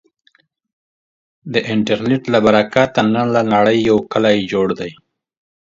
د انټرنټ له برکته، نن له نړې یو کلی جوړ دی.